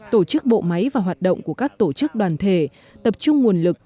tổ chức bộ máy và hoạt động của các tổ chức đoàn thể tập trung nguồn lực